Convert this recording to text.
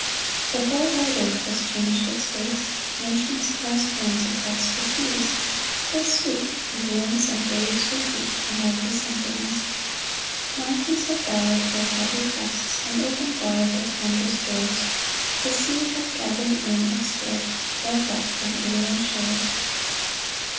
The whole wide earth has changed its face ; Nations clasp hands across the seas ; They speak, and winds and waves repeat The mighty symphonies. Mountains have bowed their haughty crests, And opened wide their ponderous doors ; The sea hath gathered in its dead. Love wept on alien shores.